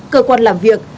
cơ quan làm việc